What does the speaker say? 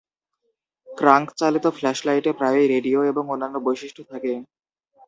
Crank চালিত ফ্ল্যাশলাইটে প্রায়ই radio এবং অন্যান্য বৈশিষ্ট্য থাকে।